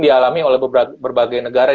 dialami oleh berbagai negara